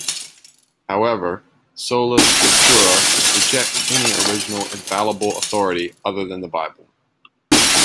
However, sola scriptura rejects any original infallible authority other than the Bible.